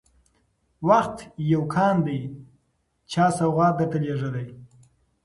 وخت يو كان دى چا سوغات درته لېږلى